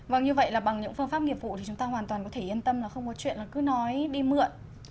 vâng như vậy là bằng những phương pháp nghiệp vụ thì chúng ta hoàn toàn có thể yên tâm là không có chuyện là cứ nói đi mượn